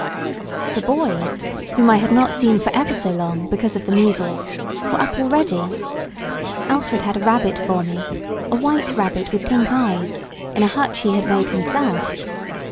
The boys—whom I had not seen for ever so long, because of the measles—were up already. Alfred had a rabbit for me—a white rabbit with pink eyes—in a hutch he had made himself.